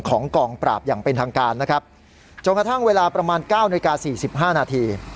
กองปราบอย่างเป็นทางการนะครับจนกระทั่งเวลาประมาณ๙นาฬิกา๔๕นาที